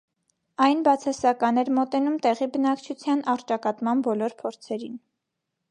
Այն բացասական էր մոտենում տեղի բնակչության առճակատման բոլոր փորձերին։